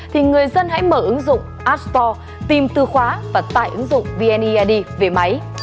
thì người dân hãy mở ứng dụng app store tìm tư khóa và tải ứng dụng vnaid về máy